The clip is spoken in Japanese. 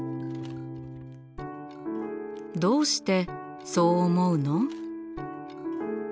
どうしてそう思うの？